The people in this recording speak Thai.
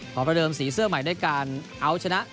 ประเดิมสีเสื้อใหม่ด้วยการเอาชนะ